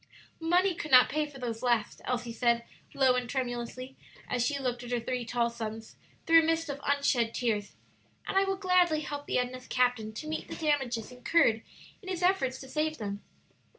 "Money could not pay for those last," Elsie said, low and tremulously, as she looked at her three tall sons through a mist of unshed tears; "and I will gladly help the Edna's captain to meet the damages incurred in his efforts to save them."